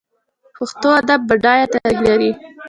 پښتو ادب بډای تاریخ لري.